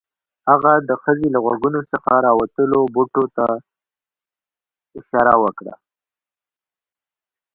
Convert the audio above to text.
هغې د ښځې له غوږونو څخه راوتلو بوټو ته اشاره وکړه